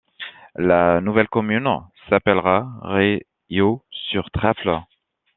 La nouvelle commune s'appellera Réaux-sur-Trèfle.